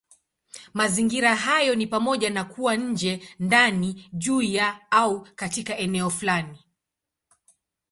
Mazingira hayo ni pamoja na kuwa nje, ndani, juu ya, au katika eneo fulani.